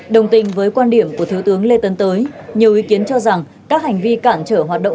đồng tình với quan điểm của thiếu tướng lê tấn tới nhiều ý kiến cho rằng các hành vi cản trở hoạt động